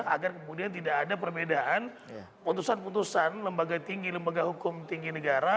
agar kemudian tidak ada perbedaan putusan putusan lembaga tinggi lembaga hukum tinggi negara